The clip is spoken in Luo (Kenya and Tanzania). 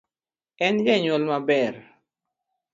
En janyuol maber